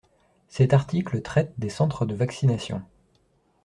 Cet article traite des centres de vaccination.